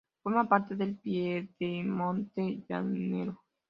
Forma parte del piedemonte llanero.